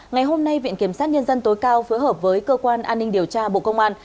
ngày hôm nay viện kiểm sát nhân dân tối cao phối hợp với cơ quan an ninh điều tra bộ công an